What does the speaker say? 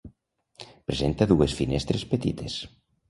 Presenta dues finestres petites.